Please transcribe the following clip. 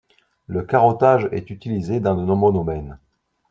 Le carottage est utilisé dans de nombreux domaines.